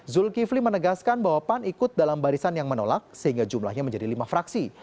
zulkifli menegaskan bahwa pan ikut dalam barisan yang menolak sehingga jumlahnya menjadi lima fraksi